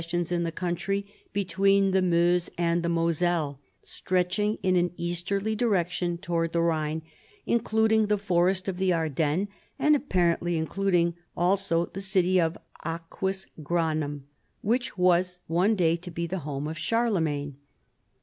sions in the country between the Meuse and the Moselle, stretching in an easterly direction toward the Rhine, including the forest of the Ardennes, and apparently including also the city of Aquisgranum, which was one day to be the home of Charlemagne.